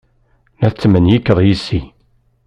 La tetmenyikeḍ yes-i?